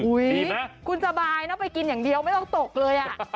คุณสบายนะไปกินอย่างเดียวไม่ต้องตกเลย